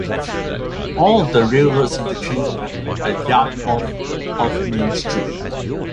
All of the railroads interchange at a yard off of Main Street.